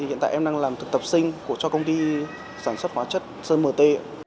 hiện tại em đang làm thực tập sinh cho công ty sản xuất hóa chất sơn m t